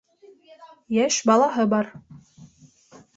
Йәш балаһы бар...